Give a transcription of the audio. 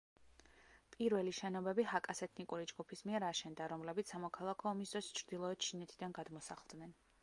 პირველი შენობები ჰაკას ეთნიკური ჯგუფის მიერ აშენდა, რომლებიც სამოქალაქო ომის დროს ჩრდილოეთ ჩინეთიდან გადმოსახლდნენ.